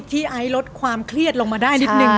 ไอซ์ลดความเครียดลงมาได้นิดนึง